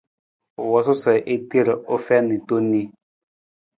U wosuu sa a ter u fiin tong ni.